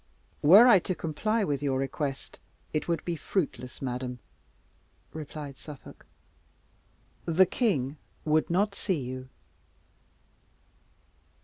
"Were I to comply with your request it would be fruitless, madam," replied Suffolk; "the king would not see you."